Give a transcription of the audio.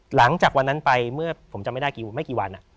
หลังจากวันนั้นไปเมื่อผมจำไม่ได้ไม่กี่วัน